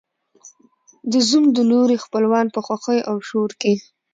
د زوم د لوري خپلوان په خوښیو او شور کې